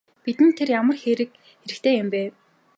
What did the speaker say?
Бидэнд тэр ямар хэрэгтэй юм бэ?